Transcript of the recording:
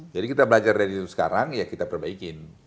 jadi kita belajar dari itu sekarang ya kita perbaikin